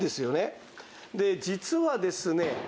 で実はですね